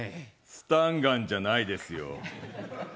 スタンガンじゃないですよ。